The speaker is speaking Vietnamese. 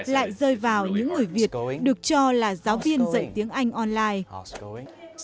lại rơi vào những người việt được cho là giáo viên dạy tiếng anh online